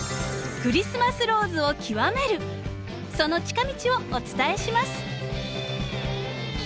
その近道をお伝えします。